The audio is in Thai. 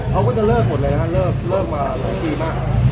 เขาก็จะเลิกหมดเลยนะฮะเลิกมาหลายปีมาก